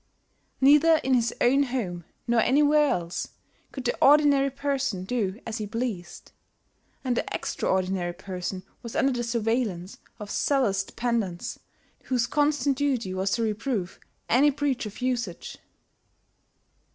Neither in his own home nor anywhere else could the ordinary person do as he pleased; and the extraordinary person was under the surveillance of zealous dependants whose constant duty was to reprove any breach of usage.